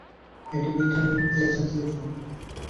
এটি vitamin A জাতীয় ফল।